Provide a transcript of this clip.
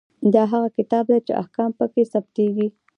دا هغه کتاب دی چې احکام پکې ثبتیږي.